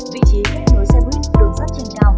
vị trí khách nối xe buýt đường sát trên cao